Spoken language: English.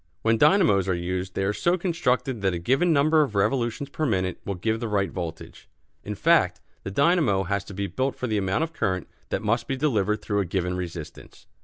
When dynamos are used they are so constructed that a given number of revolutions per minute will give the right voltage. In fact, the dynamo has to be built for the amount of current that must be delivered through a given resistance.